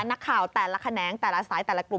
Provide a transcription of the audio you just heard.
นักข่าวแต่ละแขนงแต่ละสายแต่ละกลุ่ม